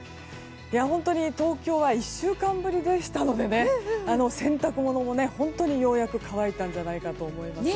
本当に東京は１週間ぶりでしたので洗濯物も、本当にようやく乾いたんじゃないかと思います。